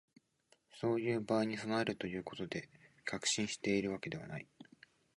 そういう場合に備えるということで、確信しているわけではない